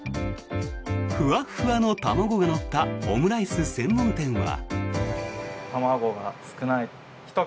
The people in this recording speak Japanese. フワッフワの卵が乗ったオムライス専門店は。